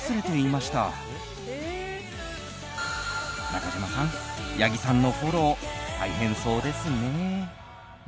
中島さん、八木さんのフォロー大変そうですね。